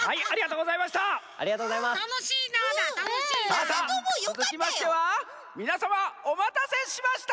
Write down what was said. さあさあつづきましてはみなさまおまたせしました！